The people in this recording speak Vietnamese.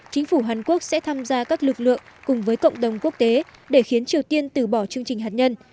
chính phủ hàn quốc sẽ tham gia các lực lượng cùng với cộng đồng quốc tế để khiến triều tiên từ bỏ chương trình hạt nhân